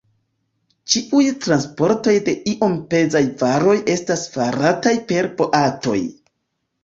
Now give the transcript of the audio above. Ĉiuj transportoj de iom pezaj varoj estas farataj per boatoj.